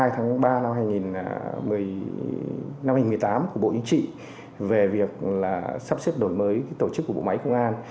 hai mươi tháng ba năm hai nghìn một mươi tám của bộ chính trị về việc sắp xếp đổi mới tổ chức của bộ máy công an